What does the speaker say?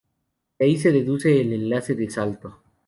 De ahí se deduce el enlace de salto.